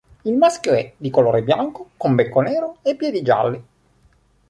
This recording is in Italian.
Il maschio è di colore bianco, con becco nero e piedi gialli.